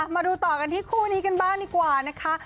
มาดูต่อกันที่คู่นี้กันบ้างดีกว่านะคะ